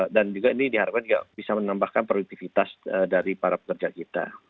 dan juga ini diharapkan bisa menambahkan produktivitas dari para pekerja kita